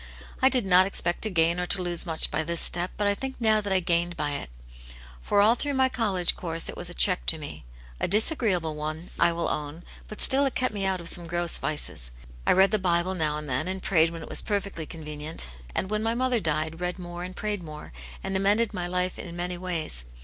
I did not expect to gain or to lose much by this step, but I think now that I gained by it. For all through my college course it was a check to me ; a disagreeable one, I will own ; but still it kept me out of some gross vices. I read the Bible now and then, and prayed when it was perfectly con venient ; and when my mother died, read more and prayed more, and amended my life in many ways.